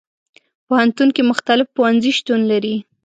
پوهنتون کې مختلف پوهنځي شتون لري.